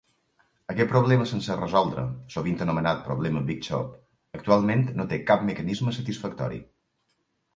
Aquest problema sense resoldre, sovint anomenat problema "big chop", actualment no té cap mecanisme satisfactori.